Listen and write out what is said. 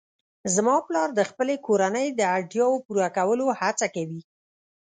زما پلار د خپلې کورنۍ د اړتیاوو پوره کولو هڅه کوي